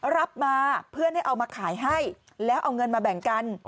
รับมาเพื่อให้เอามาขายให้แล้วเอาเงินมาแบ่งกัน